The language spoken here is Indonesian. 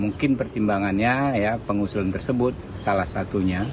mungkin pertimbangannya ya pengusulan tersebut salah satunya